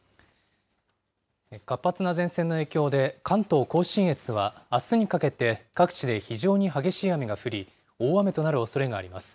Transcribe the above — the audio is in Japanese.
活発な前線の影響で、関東甲信越は、あすにかけて、各地で非常に激しい雨が降り、大雨となるおそれがあります。